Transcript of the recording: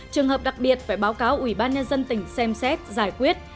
trường hợp đặc biệt phải báo cáo ủy ban nhân dân tỉnh xem xét giải quyết